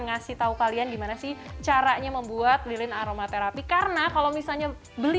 ngasih tahu kalian gimana sih caranya membuat lilin aromaterapi karena kalau misalnya beli